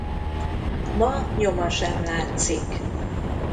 Ma nyoma sem látszik.